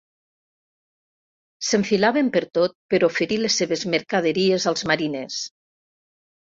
S'enfilaven pertot per oferir les seves mercaderies als mariners.